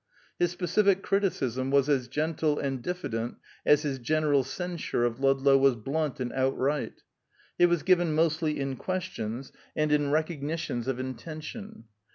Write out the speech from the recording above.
His specific criticism was as gentle and diffident as his general censure of Ludlow was blunt and outright. It was given mostly in questions, and in recognitions of intention.